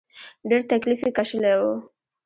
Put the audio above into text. ډېر تکليف یې کشلی و.